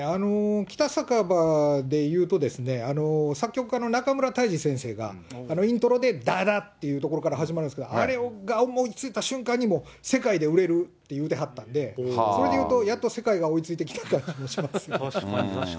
北酒場でいうとですね、作曲家のなかむらたいじ先生がイントロで、だだっというところから始まるんですけど、あれが思いついた瞬間に世界で売れるって言うてはったんで、それでいうと、やっと世界が追いついてきたかなと。